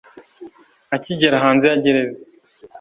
Akigera hanze ya gereza